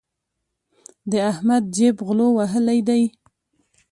د احمد جېب غلو وهلی دی.